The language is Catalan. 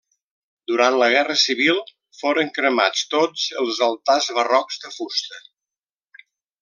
Durant la guerra civil foren cremats tots els altars barrocs de fusta.